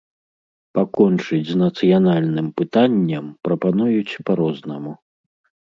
Пакончыць з нацыянальным пытаннем прапануюць па-рознаму.